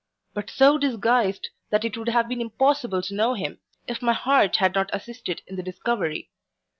but so disguised, that it would have been impossible to know him, if my heart had not assisted in the discovery.